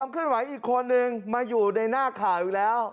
เคลื่อนไหวอีกคนนึงมาอยู่ในหน้าข่าวอีกแล้ว